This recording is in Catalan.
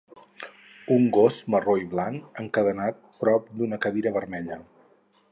Un gos marró i blanc encadenat a prop d'una cadira vermella.